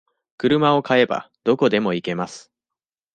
車を買えば、どこでも行けます。